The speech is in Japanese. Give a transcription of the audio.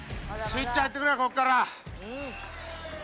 スイッチ入ってくれここから！ＯＫ！